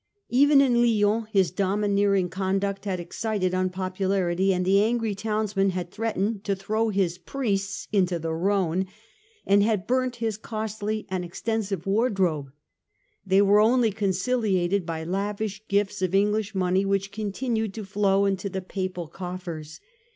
Even in Lyons his domineering conduct had excited unpopularity and the angry townsmen had threatened to throw his priests into the Rhone, and had burnt his costly and extensive wardrobe. They were only conciliated by lavish gifts of English money, which continued to flow into the Papal coffers.